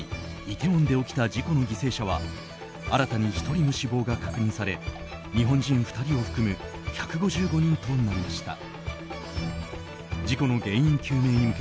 イテウォンで起きた事故の犠牲者は新たに１人の死亡が確認され日本人２人を含む１５５人となりました。